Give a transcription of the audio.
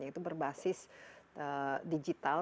yang itu berbasis digital